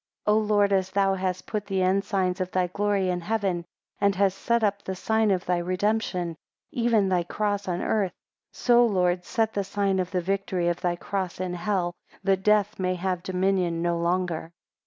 10 O Lord, as thou hast put the ensigns of thy glory in heaven, and hast set up the sign of thy redemption, even thy cross on earth; so, Lord, set the sign of the victory of thy cross in hell, that death may have dominion no longer.